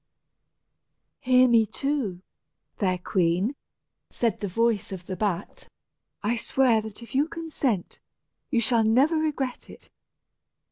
"Hear me, too, fair queen," said the voice of the bat. "I swear that if you consent, you shall never regret it.